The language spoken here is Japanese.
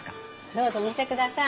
どうぞ見てください。